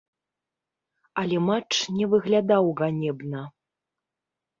Але матч не выглядаў ганебна.